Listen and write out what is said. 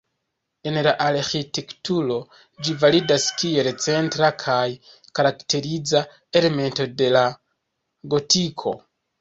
En la arĥitekturo ĝi validas kiel centra kaj karakteriza elemento de la gotiko.